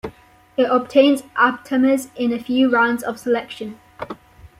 It obtains aptamers in a few rounds of selection.